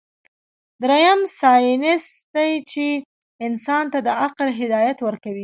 دريم سائنس دے چې انسان ته د عقل هدايت ورکوي